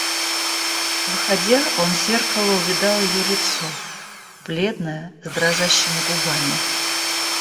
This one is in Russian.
Выходя, он в зеркало увидал ее лицо, бледное, с дрожащими губами.